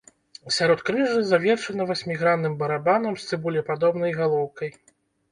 Сяродкрыжжа завершана васьмігранным барабанам з цыбулепадобнай галоўкай.